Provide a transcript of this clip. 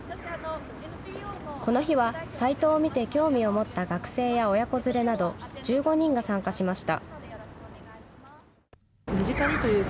この日はサイトを見て興味を持った学生や親子連れなど１５人が参加しました。